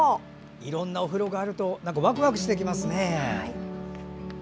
いろいろなお風呂があるとワクワクしてきますね。